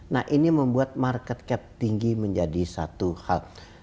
nah ini membuat market cap tinggi menjadi satu hal